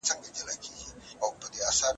دوه جنگيالي به پء ميدان تورو تيارو ته سپارم